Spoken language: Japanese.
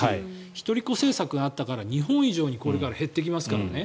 一人っ子政策があったから日本以上にこれから減っていきますからね。